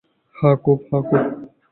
হ্যাঁ, খুব।